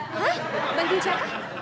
hah bantuin siapa